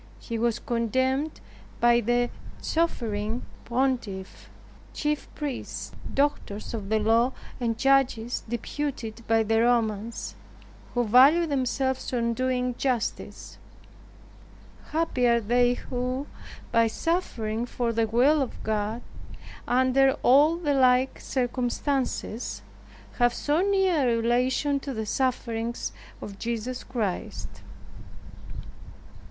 He was condemned by the sovereign pontiff, chief priests, doctors of the law, and judges deputed by the Romans, who valued themselves on doing justice. Happy they who by suffering for the will of God under all the like circumstances, have so near a relation to the sufferings of Jesus Christ!